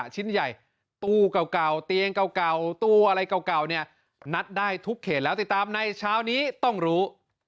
จะให้คุณผู้ชมมีสันตรี